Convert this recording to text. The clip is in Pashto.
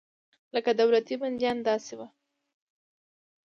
لکه دولتي بندیان داسې وو.